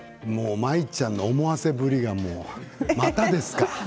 舞ちゃんの思わせぶりがまたですか。